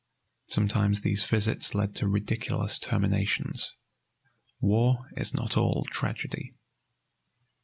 Sometimes these visits led to ridiculous terminations. War is not all tragedy."